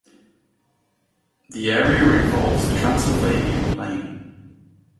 The area includes the Transylvanian Plain.